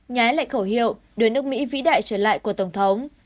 nhái lại khẩu hiệu đưa nước mỹ vĩ đại trở lại của tổng thống